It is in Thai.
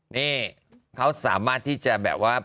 นี่เขาสามารถที่จะแบบว่า